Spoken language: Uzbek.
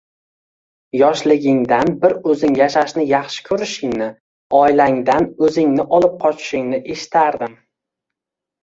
Yoshligingdan bir o`zing yashashni yaxshi ko`rishingni, oilangdan o`zingni olib qochishingni eshitardim